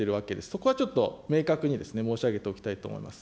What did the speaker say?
そこはちょっと明確に申し上げておきたいと思います。